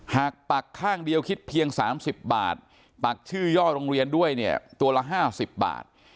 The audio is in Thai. ปักข้างเดียวคิดเพียง๓๐บาทปักชื่อย่อโรงเรียนด้วยเนี่ยตัวละ๕๐บาท